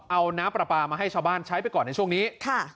เอาน้ำปลาปลามาให้ชาวบ้านใช้ไปก่อนในช่วงนี้ค่ะ